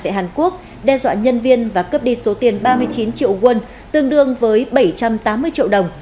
tại hàn quốc đe dọa nhân viên và cướp đi số tiền ba mươi chín triệu won tương đương với bảy trăm tám mươi triệu đồng